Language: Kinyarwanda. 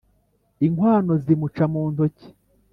inkwano zimuca mu ntoki.